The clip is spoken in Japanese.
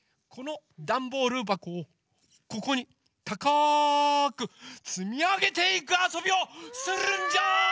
このダンボールばこをここにたかくつみあげていくあそびをするんジャー！